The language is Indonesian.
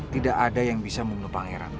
tidak ada yang bisa membunuh pangeran